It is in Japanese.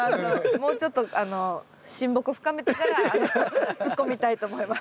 もうちょっと親睦深めてからつっこみたいと思います。